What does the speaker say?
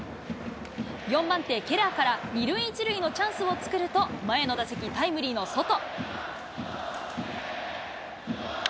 ４番手、ケラーから２塁１塁のチャンスを作ると、前の打席、タイムリーのソト。